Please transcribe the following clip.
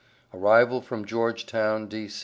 ARRIVAL FROM GEORGETOWN, D.